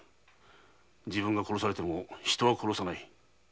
自分が殺されても人は殺さない。